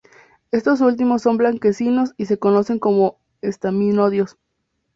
Estos últimos son blanquecinos y se conocen como estaminodios.